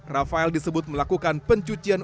rafael disebut melakukan pencucian